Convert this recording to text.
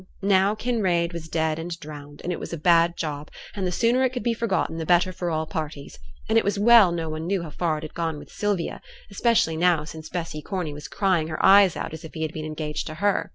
now Kinraid was dead and drowned, and it was a bad job, and the sooner it could be forgotten the better for all parties; and it was well no one knew how far it had gone with Sylvia, especially now since Bessy Corney was crying her eyes out as if he had been engaged to her.